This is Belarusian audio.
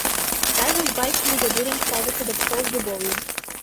Разам з бацькам і дзядулям ставяцца да пчол з любоўю.